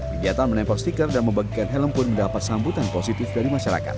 kegiatan menempel stiker dan membagikan helm pun mendapat sambutan positif dari masyarakat